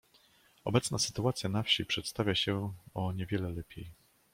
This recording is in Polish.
"Obecna sytuacja na wsi przedstawia się o niewiele lepiej."